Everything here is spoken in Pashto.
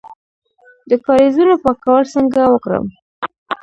د کاریزونو پاکول څنګه وکړم؟